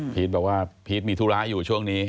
บอกว่าพีชมีธุระอยู่ช่วงนี้